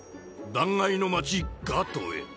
断崖の町ガトへ。